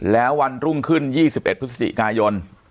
แล้ววันรุ่งขึ้น๒๑พฤศจิกายน